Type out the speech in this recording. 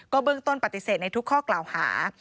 เบื้องต้นปฏิเสธในทุกข้อกล่าวหา